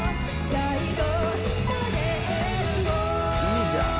いいじゃん。